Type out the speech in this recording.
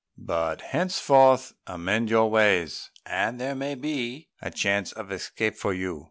But henceforth amend your ways, and there may still be a chance of escape for you."